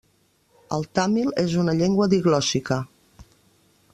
El tàmil és una llengua diglòssica.